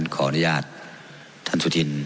ขออนุญาตท่านสุธิน